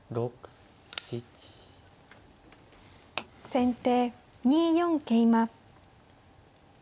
先手２四桂馬。